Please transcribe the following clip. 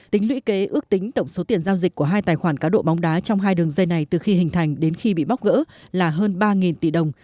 tính lũy kế ước tính tổng số tiền giao dịch của hai tài khoản cá độ bóng đá trong hai đường dây này từ khi hình thành đến khi bị bóc gỡ là hơn ba tỷ đồng